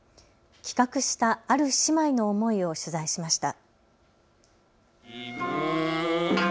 企画したある姉妹の思いを取材しました。